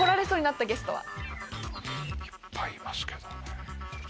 いっぱいいますけどね。